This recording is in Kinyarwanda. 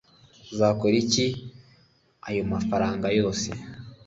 uzakora iki ayo mafaranga yose